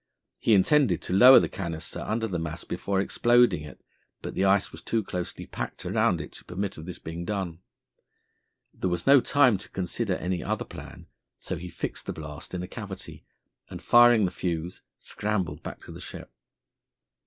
He intended to lower the canister under the mass before exploding it, but the ice was too closely packed around it to permit of this being done. There was no time to consider any other plan, so he fixed the blast in a cavity and, firing the fuse, scrambled back to the ship.